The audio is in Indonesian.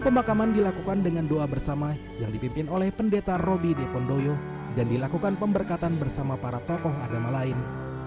pemakaman dilakukan dengan doa bersama yang dipimpin oleh pendeta robi depondoyo dan dilakukan pemberkatan bersama para tokoh agama lain